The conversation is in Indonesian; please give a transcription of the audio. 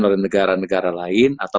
oleh negara negara lain atau